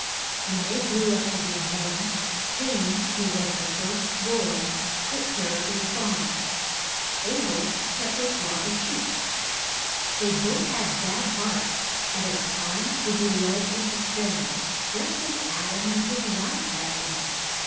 When they grew up to be men, Cain, who was the first born, took care of a farm; A bel kept a flock of sheep. They both had bad hearts, and at times would be led in to sin, just as Ad am and his wife had been.